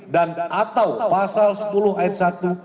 dan atau pasal sepuluh ayat satu